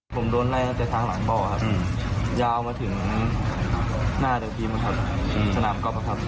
ผมโดนไล่ตั้งแต่ทางหลังบ่อครับยาวมาถึงหน้าเด็กทีมอะครับสนามก๊อฟครับ